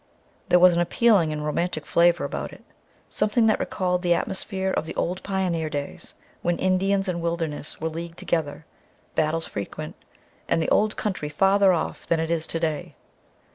There was an appealing and romantic flavor about it, something that recalled the atmosphere of the old pioneer days when Indians and wilderness were leagued together, battles frequent, and the Old Country farther off than it is today.